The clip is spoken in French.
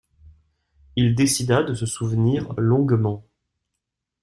Il décida de se souvenir longuement.